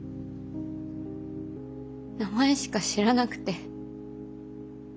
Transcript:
名前しか知らなくて。